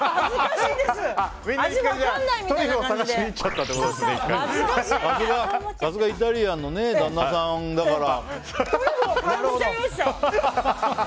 さすがイタリアンの旦那さんだから。